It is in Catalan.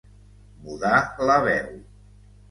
Mudar la veu.